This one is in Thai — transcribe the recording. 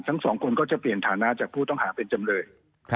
ทั้งสองคนก็จะเปลี่ยนฐานะจากผู้ต้องหาเป็นจำเลย